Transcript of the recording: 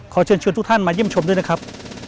เชิญชวนทุกท่านมาเยี่ยมชมด้วยนะครับ